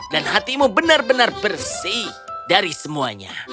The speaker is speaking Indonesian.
dan hatimu benar benar bersih dari semuanya